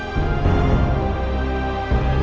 sampai jumpa dulu